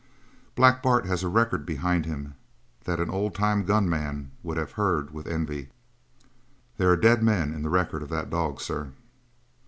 "Black Bart has a record behind him that an old time gun man would have heard with envy. There are dead men in the record of that dog, sir!"